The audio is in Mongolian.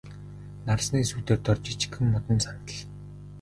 Нарсны сүүдэр дор жижигхэн модон сандал.